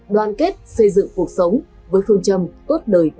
đoàn kết xây dựng cuộc sống với phương châm tốt đời